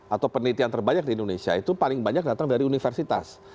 atau penelitian terbanyak di indonesia itu paling banyak datang dari universitas